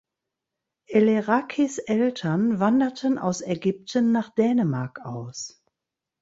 Elerakys Eltern wanderten aus Ägypten nach Dänemark aus.